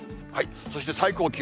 そして最高気温。